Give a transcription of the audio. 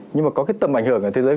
nhưng mà có cái tầm ảnh hưởng ở thế giới